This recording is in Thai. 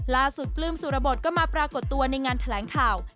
ปลื้มสุรบทก็มาปรากฏตัวในงานแถลงข่าว